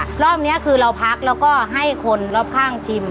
รอบนี้คือเราพักแล้วก็ให้คนรอบข้างชิม